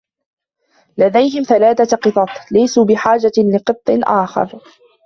لديهم ثلاثة قطط ، ليسوا بحاجة لقط آخر.